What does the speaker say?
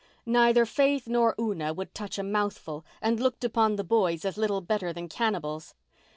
Neither Faith nor Una would touch a mouthful, and looked upon the boys as little better than cannibals.